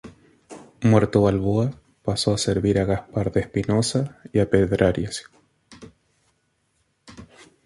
Muerto Balboa, pasó a servir a Gaspar de Espinosa y a Pedrarias.